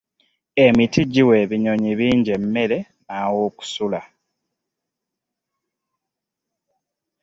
Emiti giwa ebinyonyi bingi emmere n'awokusula.